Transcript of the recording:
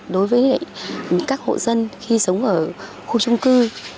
đối với các hộ dân khi sống ở khu trung cư